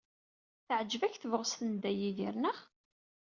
Teɛjeb-ak tebɣest n Dda Yidir, naɣ?